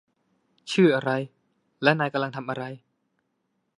ชื่ออะไรและนายกำลังทำอะไร